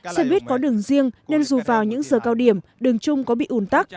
xe buýt có đường riêng nên dù vào những giờ cao điểm đường chung có bị ủn tắc